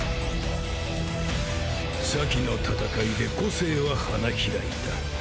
先の戦いで個性は花開いた。